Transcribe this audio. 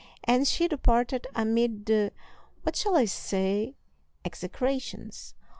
And she departed amid the what shall I say? execrations!